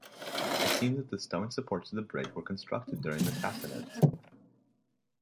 It seems that the stone-supports of the bridge were constructed during the Sassanids.